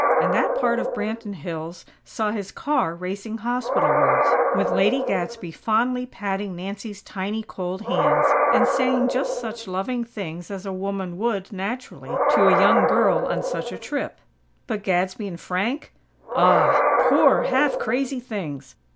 and that part of Branton Hills saw his car racing hospitalwards, with Lady Gadsby fondly patting Nancy's tiny, cold hands, and saying just such loving things as a woman would, naturally, to a young girl on such a trip. But Gadsby and Frank? Ah! Poor, half crazy things!